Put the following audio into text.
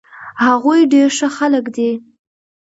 هغوي ډير ښه خلک دي